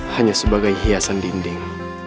hanya sebagai hiasan dinding